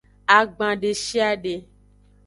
Agban deshiade.